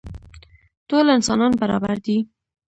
ټول انسانان برابر دي.